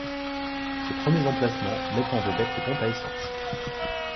Ces premiers emplacements mettent en vedette les pompes à essence.